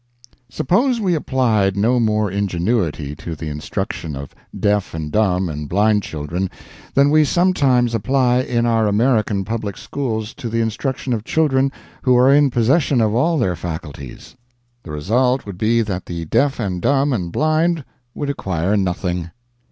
Suppose we applied no more ingenuity to the instruction of deaf and dumb and blind children than we sometimes apply in our American public schools to the instruction of children who are in possession of all their faculties? The result would be that the deaf and dumb and blind would acquire nothing.